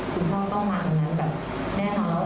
คุณพ่อต้องมาตรงนั้นแน่นอน